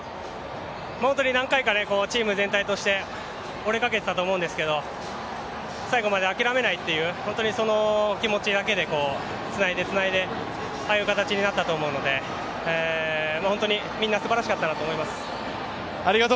本当に何回かチーム全体として折れかけていたと思うんですけど最後まで諦めないという気持ちだけでつないでつないでああいう形になったと思うので、本当にみんなすばらしかったなと思います。